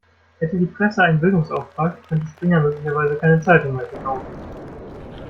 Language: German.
Hätte die Presse einen Bildungsauftrag, könnte Springer möglicherweise keine Zeitungen mehr verkaufen.